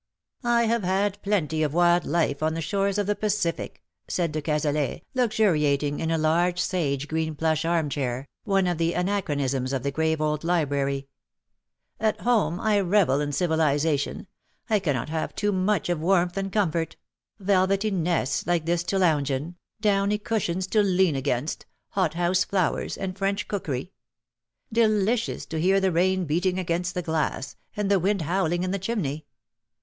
^' I have had plenty of wild life on the shores of the Pacific/' said de Cazalet, luxuriating m a large sage green plush arm chair, one of the anachronisms of the grave old library, " At home I revel in civilization — I cannot have have too much of warmth and comfort — velvetty nests like this to lounge in, downy cushions to lean against, hothouse flowers, and French cookery. Delicious to hear the rain beating against the glass, and the wind howling in the chimney.